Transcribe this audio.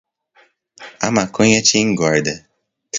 A maconha te engorda